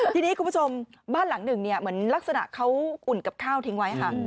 ทีนี้คุณผู้ชมบ้านหลังหนึ่งเนี่ยเหมือนลักษณะเขาอุ่นกับข้าวทิ้งไว้ค่ะ